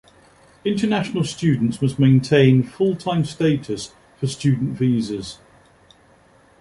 International students must maintain full-time status for student visas.